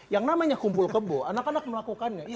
yang namanya kumpul kebo anak anak melakukannya